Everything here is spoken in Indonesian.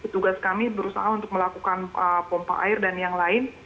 tugas kami berusaha untuk melakukan pompa air dan yang lain